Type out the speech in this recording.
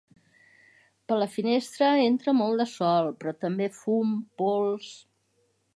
Per la finestra entra molt de sol, però també fum, pols...